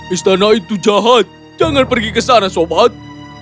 istana itu jahat jangan pergi ke sana sobat